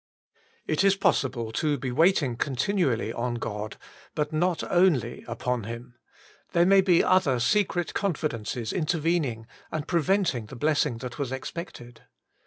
IT is possible to be waiting continually on God, but not only upon Him; there may be other secret confidences intervening, and pre venting the blessing that was expected.